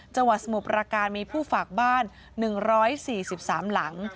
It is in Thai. จังหวัดสมุปราการมีผู้ฝากบ้าน๑๔๓หลัง